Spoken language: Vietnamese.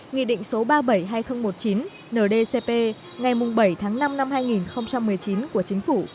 nghị định số ba trăm bảy mươi hai nghìn một mươi chín ndcp ngày bảy tháng năm năm hai nghìn một mươi chín của chính phủ